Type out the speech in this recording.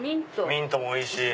ミントもおいしい。